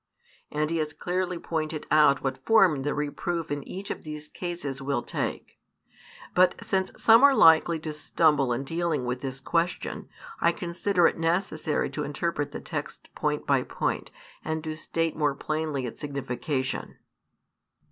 And He has clearly pointed out what form the reproof in each of these cases will take. But since some are likely to stumble in dealing with this question, I consider it necessary to interpret the text point by point, and to state more plainly its signification.